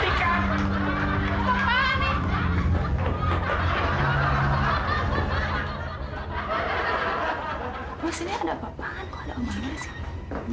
wah sini ada apaan kok ada omongan siapa